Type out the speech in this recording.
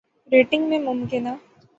rating میں ممکنہ